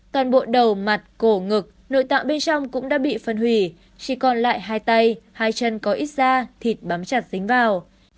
toàn bộ đầu mặt cổ ngực nội tạng bên trong cũng đã bị phân hủy chỉ còn lại hai tay hai chân có ít da thịt bắm chặt dính vào